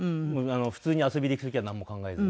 普通に遊びで行く時はなんも考えず。